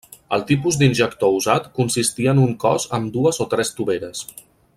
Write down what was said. El tipus d'injector usat consistia en un cos amb dues o tres toveres.